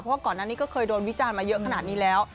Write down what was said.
เพราะว่าก่อนหน้านี้ก็เคยโดนวิจารณ์มาเยอะขนาดนี้แล้ว